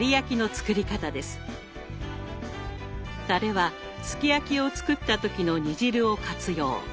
たれはすき焼きを作った時の煮汁を活用。